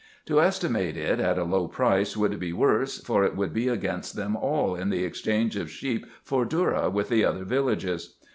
To estimate it at a low price would be worse, for it would be against them all in the exchange of sheep for dhourra with the other villages.